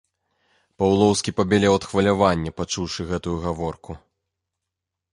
Паўлоўскі пабялеў ад хвалявання, пачуўшы гэтую гаворку.